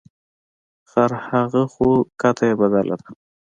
خر هغه خو کته یې بدله ده.